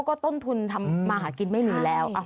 คาไม่แพงด้วยนะคะแค่สี่สี่บาท